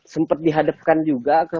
sempat dihadapkan juga ke